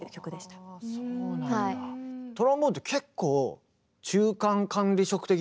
トロンボーンって結構中間管理職的なところも。